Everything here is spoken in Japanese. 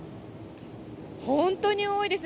本当に多いです。